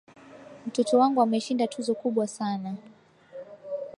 Mtoto wangu ameshinda tuzo kubwa sana.